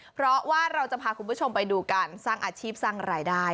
เพราะว่าเราจะพาคุณผู้ชมไปดูการสร้างอาชีพสร้างรายได้